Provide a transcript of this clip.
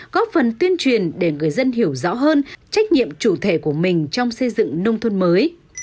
góp phần tuyên truyền để người dân hiểu rõ hơn trách nhiệm chủ thể của mình trong xây dựng nông thôn mới